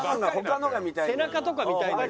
背中とか見たいんだけど。